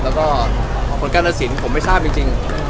ด้วยกองทนการสินภายเคียงผมไม่ทราบจริง